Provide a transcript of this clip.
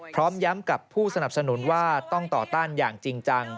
พร้อมย้ำกับผู้สนับสนุนว่าต้องต่อต้านอย่างจริงจัง